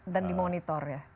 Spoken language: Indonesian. dan dimonitor ya